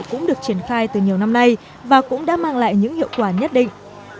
cũng được triển khai từ nhiều năm nay và cũng đã mang lại những hiệu quả nhất định